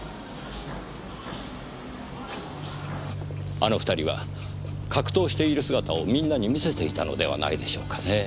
あの２人は格闘している姿をみんなに見せていたのではないでしょうかねぇ。